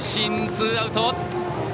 ツーアウト。